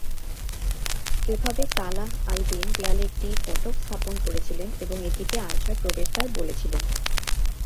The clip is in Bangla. এভাবে সালাহ আল-দ্বীন দেয়ালে একটি ফটক স্থাপন করেছিলেন এবং এটিকে আয়েশার প্রবেশদ্বার বলেছিলেন।